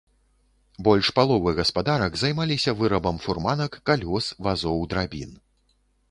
Больш паловы гаспадарак займаліся вырабам фурманак, калёс, вазоў драбін.